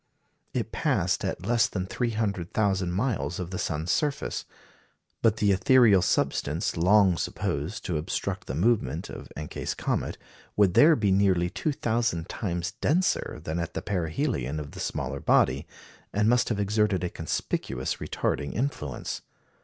It passed at less than 300,000 miles of the sun's surface. But the ethereal substance long supposed to obstruct the movement of Encke's comet would there be nearly 2,000 times denser than at the perihelion of the smaller body, and must have exerted a conspicuous retarding influence.